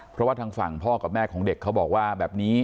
เพราะว่าทางฝั่งพ่อกับแม่ของเด็กเขาบอกว่าแบบนี้